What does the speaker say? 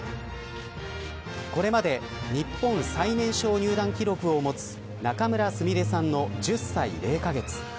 これまで日本最年少入段記録を持つ仲邑菫さんの１０歳０カ月。